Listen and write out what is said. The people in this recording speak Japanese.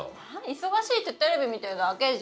忙しいってテレビ見てるだけじゃん。